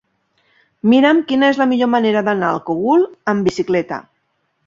Mira'm quina és la millor manera d'anar al Cogul amb bicicleta.